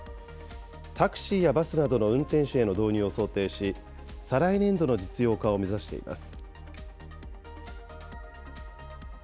タクシーやバスなどの運転手への導入を想定し、再来年度の実用化を目指しています。